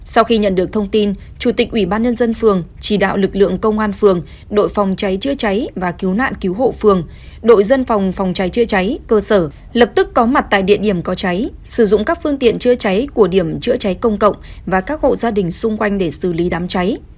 sau khi nhận được thông tin chủ tịch ủy ban nhân dân phường chỉ đạo lực lượng công an phường đội phòng cháy chữa cháy và cứu nạn cứu hộ phường đội dân phòng phòng cháy chữa cháy cơ sở lập tức có mặt tại địa điểm có cháy sử dụng các phương tiện chữa cháy của điểm chữa cháy công cộng và các hộ gia đình xung quanh để xử lý đám cháy